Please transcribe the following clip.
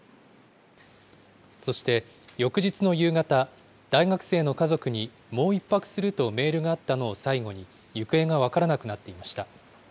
そして、翌日の夕方、大学生の家族に、もう１泊するとメールがあったのを最後に、行方が分からなくなっていました。